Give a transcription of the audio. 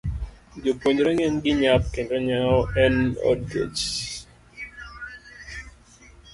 Jopuonjre ng'enygi nyap kendo nyao en od kech.